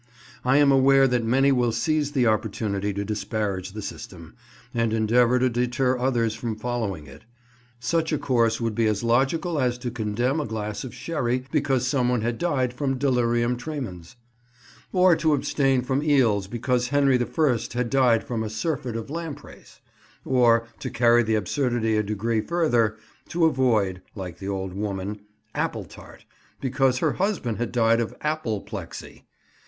I am aware that many will seize the opportunity to disparage the system, and endeavour to deter others from following it. Such a course would be as logical as to condemn a glass of sherry, because someone had died from delirium tremens; or to abstain from eels because Henry I. had died from a surfeit of lampreys; or, to carry the absurdity a degree further, to avoid (like the old woman) apple tart, because her husband had died of apple plexy.